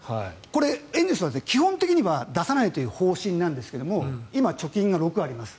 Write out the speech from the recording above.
エンゼルスは基本的には出さないという方針なんですが今、貯金が６あります。